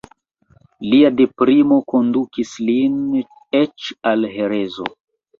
Lia deprimo kondukis lin eĉ al herezo.